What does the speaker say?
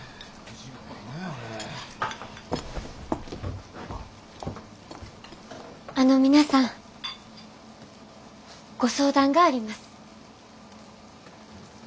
あの皆さんご相談があります。